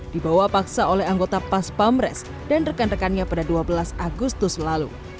dibawa paksa oleh anggota pas pamres dan rekan rekannya pada dua belas agustus lalu